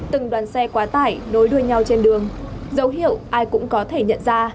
từng đoàn xe quá tải nối đuôi nhau trên đường dấu hiệu ai cũng có thể nhận ra